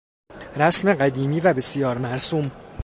رسم قدیمی و بسیار مرسوم